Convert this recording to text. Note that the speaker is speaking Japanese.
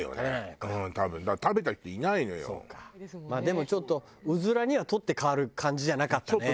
まあでもちょっとうずらには取って代わる感じじゃなかったね。